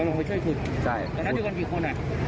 ลงไปช่วยขุดตอนนั้นที่ก่อนกี่คนอ่ะ